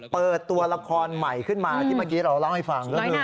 เปิดตัวละครใหม่ขึ้นมาที่เมื่อกี้เราเล่าให้ฟังก็คือ